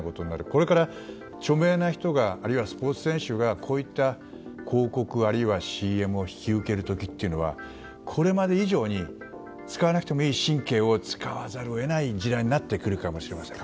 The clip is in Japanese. これから著名な人があるいはスポーツ選手がこういった広告、あるいはＣＭを引き受ける時というのはこれまで以上に使わなくてもいい神経を使わざるを得ない時代になってくるかもしれません。